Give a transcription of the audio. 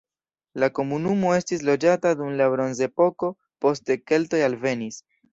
La komunumo estis loĝata dum la bronzepoko, poste keltoj alvenis.